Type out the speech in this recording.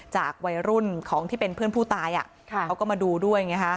จากวัยรุ่นของที่เป็นเพื่อนผู้ตายเขาก็มาดูด้วยไงฮะ